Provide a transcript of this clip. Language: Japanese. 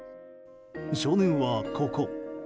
少年はここ。